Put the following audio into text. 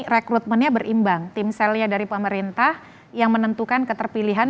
rekrutmennya berimbang timselnya dari pemerintah yang menentukan keterpilihan